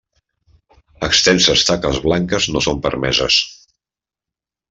Extenses taques blanques no són permeses.